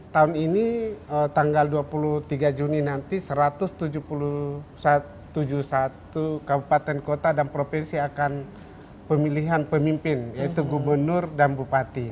tahun ini tanggal dua puluh tiga juni nanti satu ratus tujuh puluh satu kabupaten kota dan provinsi akan pemilihan pemimpin yaitu gubernur dan bupati